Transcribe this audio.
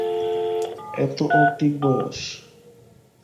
এ তো ওর ঠিক বয়স।